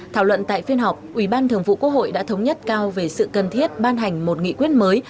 thảo luận tại phiên họp ủy ban thường vụ quốc hội đã thống nhất cao về sự cần thiết ban hành một nghị quyết mới